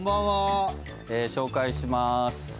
紹介します。